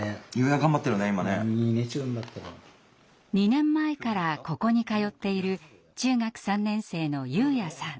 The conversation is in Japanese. ２年前からここに通っている中学３年生のユウヤさん。